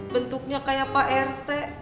bentuknya kayak pak rt